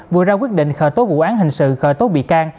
vừa ra quyết định khởi tố vụ án hình sự khởi tố bị can